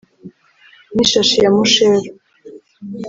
nk'ishashi ya musheru